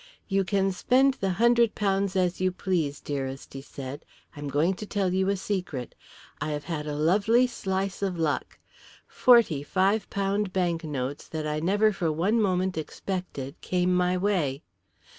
"You can spend the hundred pounds as you please, dearest," he said. "I am going to tell you a secret. I have had a lovely slice of luck. Forty five pound banknotes that I never for one moment expected came my way."